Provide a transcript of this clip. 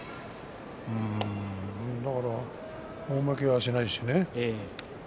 だから大負けはしないしね。